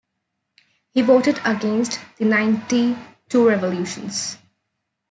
He voted against the Ninety-Two Resolutions.